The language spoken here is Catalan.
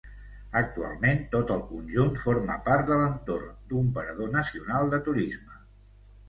Actualment tot el conjunt forma part de l'entorn d'un parador nacional de turisme.